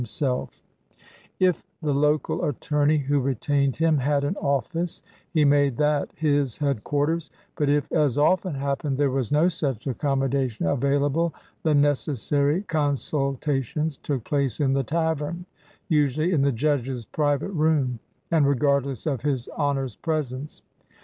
• 200 LEADER OF THE BAR If the local attorney who retained him had an office, he made that his headquarters; but, if, as often happened, there was no such accommoda tion available, the necessary consultations took place in the tavern, usually in the judge's private room, and regardless of his Honor's presence.